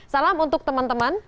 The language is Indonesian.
salam untuk teman teman